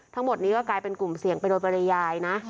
ทั้งหมดนี้ก็กลายเป็นกลุ่มเสี่ยงไปโดยปริยายนะ